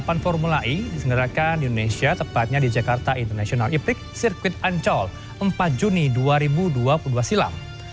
persiapan formula e disenggarakan di indonesia tepatnya di jakarta international e prix circuit ancol empat juni dua ribu dua puluh dua silam